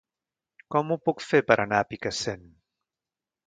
Com ho puc fer per anar a Picassent?